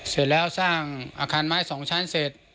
เสร็จแล้วสร้างอาคารไม้๒ชั้นเสร็จ